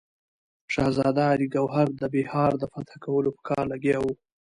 شهزاده علي ګوهر د بیهار د فتح کولو په کار لګیا وو.